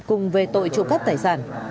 cùng về tội trụ cắp tài sản